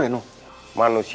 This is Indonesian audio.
jalan um harley